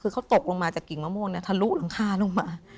คือเขาตกลงมาจากกิ่งมะม่วงทะลุหลังคาลงมา